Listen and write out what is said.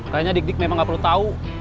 kayaknya dik dik memang nggak perlu tahu